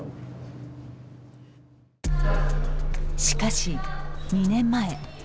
しかし、２年前。